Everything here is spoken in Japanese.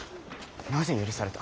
なぜ許された？